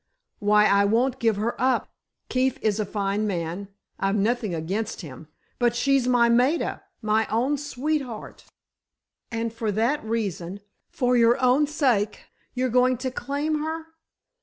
Why, I won't give her up! Keefe is a fine man—I've nothing against him—but she's my Maida—my own little sweetheart——" "And for that reason—for your own sake—you're going to claim her?"